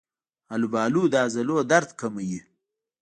آلوبالو د عضلو درد کموي.